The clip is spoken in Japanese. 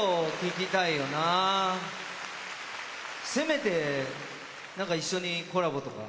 せめてなんか一緒にコラボとか。